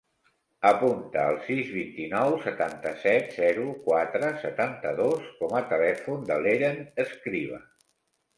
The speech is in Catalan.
Apunta el sis, vint-i-nou, setanta-set, zero, quatre, setanta-dos com a telèfon de l'Eren Escriba.